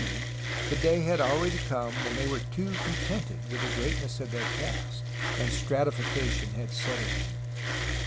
D. the day had already come when they were too contented with the greatness of their past, and stratification had set in.